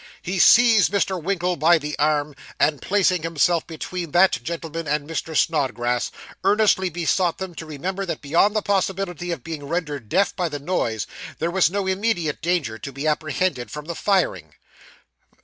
He seized Mr. Winkle by the arm, and placing himself between that gentleman and Mr. Snodgrass, earnestly besought them to remember that beyond the possibility of being rendered deaf by the noise, there was no immediate danger to be apprehended from the firing.